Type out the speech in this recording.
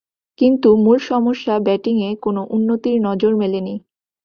কিন্তু মূল সমস্যা ব্যাটিংয়ে কোনো উন্নতির নজর মেলেনি।